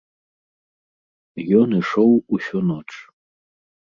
Ён ішоў усю ноч.